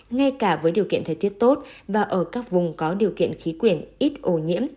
ngay cả với điều kiện thời tiết tốt và ở các vùng có điều kiện khí quyển ít ô nhiễm